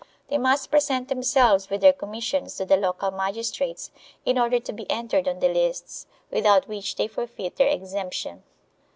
They must present themselves with their commissions to the local magistrates in order to be entered on the lists, without which they forfeit their exemption.